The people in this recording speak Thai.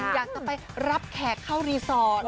อยากจะไปรับแขกเข้ารีสอร์ท